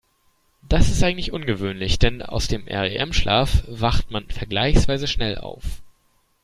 Das ist eigentlich ungewöhnlich, denn aus dem REM-Schlaf wacht man vergleichsweise schnell auf.